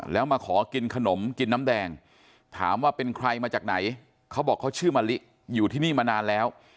แล้วมาขอกินขนมกินน้ำแดงถามว่าเป็นใครมาจากไหนเขาบอกเขาชื่อมะลิอยู่ที่นี่มานานแล้ว